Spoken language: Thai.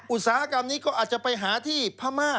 อุตสาหกรรมนี้ก็อาจจะไปหาที่พม่า